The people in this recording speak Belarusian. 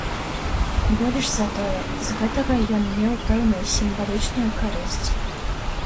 Больш за тое, з гэтага ён меў пэўную сімвалічную карысць.